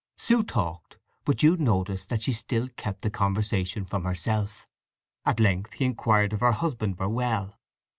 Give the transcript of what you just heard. Sue talked; but Jude noticed that she still kept the conversation from herself. At length he inquired if her husband were well.